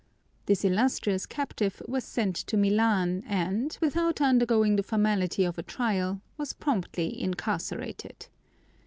This illustrious captive was sent to Milan, and, without undergoing the formality of a trial, was promptly incarcerated.